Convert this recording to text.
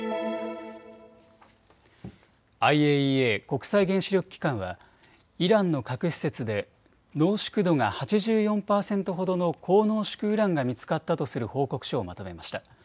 ＩＡＥＡ・国際原子力機関はイランの核施設で濃縮度が８４％ほどの高濃縮ウランが見つかったとする報告書をまとめました。